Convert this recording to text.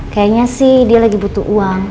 kayaknya sih dia lagi butuh uang